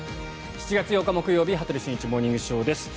７月８日、木曜日「羽鳥慎一モーニングショー」。